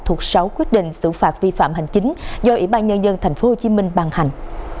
thuộc sáu quyết định xử phạt vi phạm hành chính do ủy ban nhân dân tp hcm ban hành